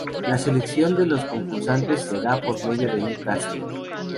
La selección de los concursantes se da por medio de un casting.